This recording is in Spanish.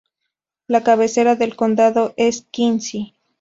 La cabecera del condado es Quincy.